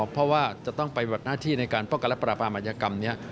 เพราะว่าจะต้องปฏิบัติหน้าที่ในการป้องกันและปราบปรามอายกรรมนี้